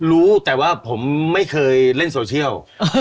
รู้แต่ว่าผมไม่เคยเล่นโซเชียล